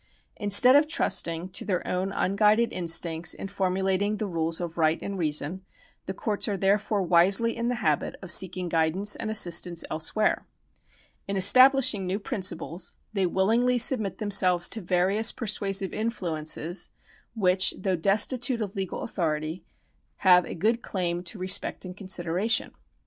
Instead of trusting to their own unguided instincts in formulating the rules of right and reason, the courts are therefore wisely in the habit of seeking guidance and assist ance elsewhere. In establishing new principles, they willingly submit themselves to various persuasive influences which, though destitute of legal authority, have a good claim to respect and consideration.